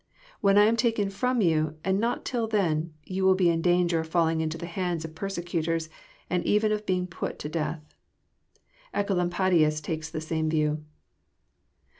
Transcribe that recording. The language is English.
When I am taken fh>m you, and not till then, yon will be in danger of falling into the hands of per secutors, and even of being put to death." Ecolampadios takes the same view.